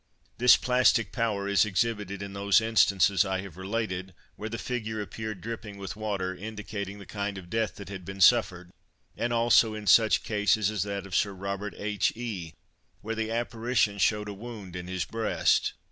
This plastic power is exhibited in those instances I have related, where the figure appeared dripping with water, indicating the kind of death that had been suffered; and also in such cases as that of Sir Robert H. E——, where the apparition showed a wound in his breast.